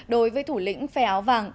đối với thủ lĩnh phèo áo vàng